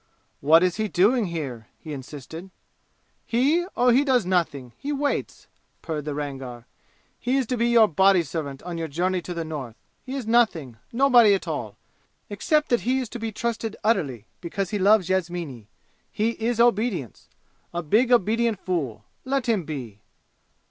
"What is he doing here?" he insisted. "He? Oh, he does nothing. He waits," purred the Rangar. "He is to be your body servant on your journey to the North. He is nothing nobody at all! except that he is to be trusted utterly because he loves Yasmini. He is Obedience! A big obedient fool! Let him be!"